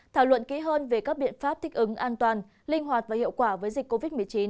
thảo luận kỹ hơn về các biện pháp thích ứng an toàn linh hoạt và hiệu quả với dịch covid một mươi chín